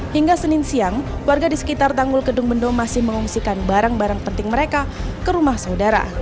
hingga senin siang warga di sekitar tanggul kedung bendo masih mengungsikan barang barang penting mereka ke rumah saudara